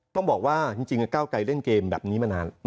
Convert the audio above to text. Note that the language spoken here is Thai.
ต้องบอกว่าจริงก้าวไกลเล่นเกมแบบนี้มานาน